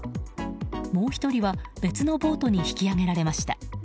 もう１人は別のボートに引き上げられました。